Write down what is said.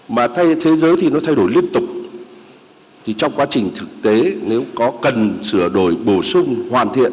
mà thế giới thì nó thay đổi liên tục thì trong quá trình thực tế nếu có cần sửa đổi bổ sung hoàn thiện